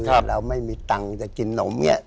เราไม่มีตังค์จะกินนมเนี่ย